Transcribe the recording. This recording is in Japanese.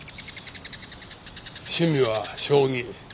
趣味は将棋。